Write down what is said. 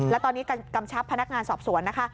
และตอนนี้กำชับพนักงานสอบสวนนะคะ